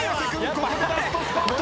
ここでラストスパート。